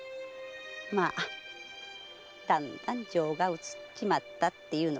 まだんだん情が移っちまったっていうのかな？